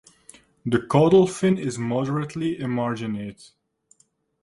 The caudal fin is moderately emarginate.